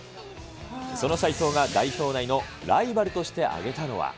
その齋藤が、代表内のライバルとして挙げたのは。